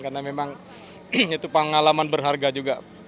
karena memang itu pengalaman berharga juga